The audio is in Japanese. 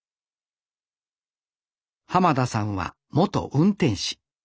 田さんは元運転士。